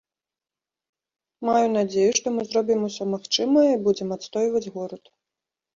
Маю надзею, што мы зробім усё магчымае і будзем адстойваць горад.